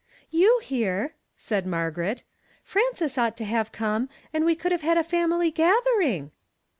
" You here !" said Margaret. " Frances ought to have come, and we could have had a family gathering."